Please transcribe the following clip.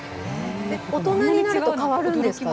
大人になると変わるんですか？